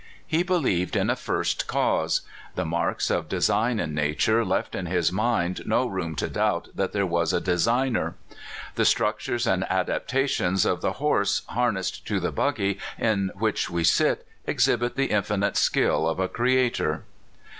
He believed in a First Cause. The marks of de sign in Nature left in his mind no room to doubt that there was a Designer. "The structure and adaptations of the horse harnessed to the buggy in which we sit, exhibit the infinite skill of a Creator."